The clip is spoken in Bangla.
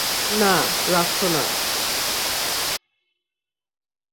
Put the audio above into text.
না, রাখছ না!